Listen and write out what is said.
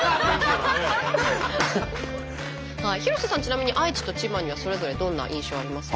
広瀬さんちなみに愛知と千葉にはそれぞれどんな印象ありますか？